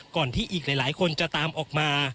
ก่อนที่อีกหลายคนจะตามออกมา